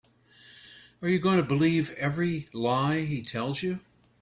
Are you going to believe every lie he tells you?